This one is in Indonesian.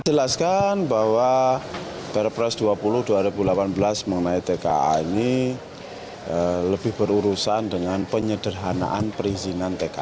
jelaskan bahwa perpres dua puluh dua ribu delapan belas mengenai tka ini lebih berurusan dengan penyederhanaan perizinan tka